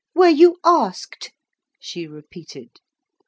"Were you asked?" she repeated.